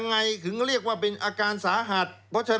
ขี่มอเตอร์ไซค์เล่นมือถือไปชนแก